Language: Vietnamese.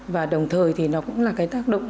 và đồng thời thì nó cũng là cái tác động